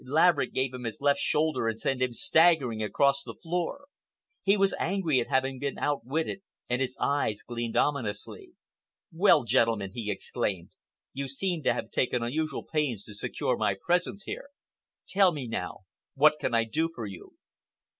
Laverick gave him his left shoulder and sent him staggering across the floor. He was angry at having been outwitted and his eyes gleamed ominously. "Well, gentlemen," he exclaimed, "you seem to have taken unusual pains to secure my presence here! Tell me now, what can I do for you?"